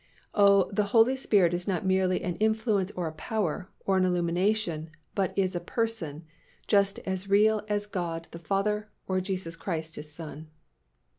Oh, the Holy Spirit is not merely an influence or a power or an illumination but is a Person just as real as God the Father or Jesus Christ His Son.